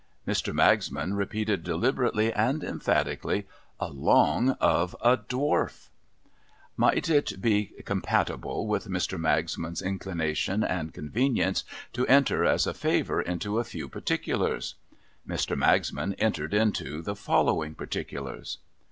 Mr, Magsman repeated, deliberately and emphatically, Along of a Dwarf. a86 ColNG INTO SOCIETY Might it be conii)atiblc wiih Mr. :Magsnian's inclination and con venience to enter, as a favour, into a few jjarticulars? Mr. Magsnian entered into the following particulars.